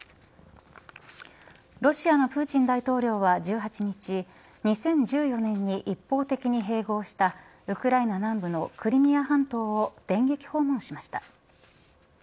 ロシアのプーチン大統領は１８日２０１４年に一方的に併合したウクライナ南部のクリミア半島を電撃訪問しました。